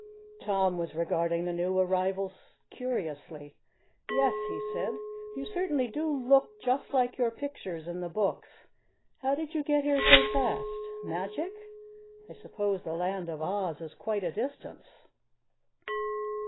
Tom was regarding the new arrival curiously. "Yes," he said, "you certainly do look just like your pictures in the books. How did you get here so fast? magic? I suppose the Land of Oz is quite a distance."